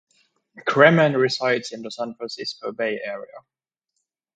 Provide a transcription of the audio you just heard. Kremen resides in the San Francisco Bay Area.